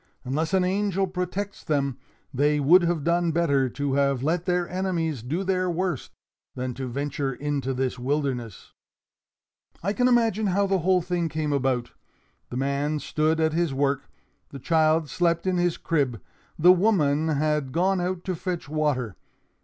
"Unless an angel protects them, they would have done better to have let their enemies do their worst, than to venture into this wilderness. "I can imagine how the whole thing came about. The man stood at his work; the child slept in his crib; the woman had gone out to fetch water.